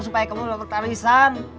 supaya kamu dapat arissa